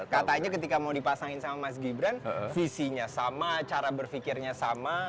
katanya ketika mau dipasangin sama mas gibran visinya sama cara berpikirnya sama